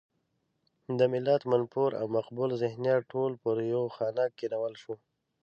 د ملت منفور او مقبول ذهنیت ټول پر يوه خانک کېنول شو.